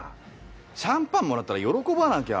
シャンパンもらったら喜ばなきゃ。